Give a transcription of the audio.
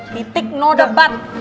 titik no debat